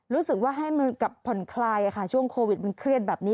รู้สึกว่าให้มันกับผ่อนคลายช่วงโควิดมันเครียดแบบนี้